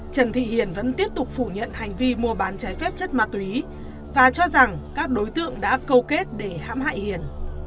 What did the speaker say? trần thị hiền vẫn tiếp tục phủ nhận hành vi mua bán trái phép chất ma túy và cho rằng các đối tượng đã câu kết để hãm hại hiền